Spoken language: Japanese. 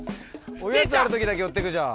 おやつある時だけ寄って行くじゃん。